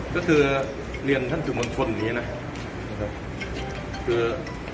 ก็คือเรียนท่านถึงบรรชนแบบนี้นะนะครับคือเอ่อ